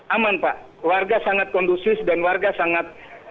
aman pak warga sangat kondusif dan warga sangat